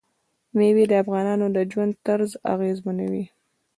مېوې د افغانانو د ژوند طرز اغېزمنوي.